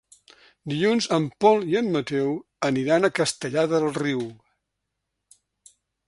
Dilluns en Pol i en Mateu aniran a Castellar del Riu.